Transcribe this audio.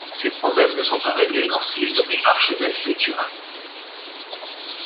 Ces problèmes ne sont pas réglés lorsqu’il est nommé archevêque de Turin.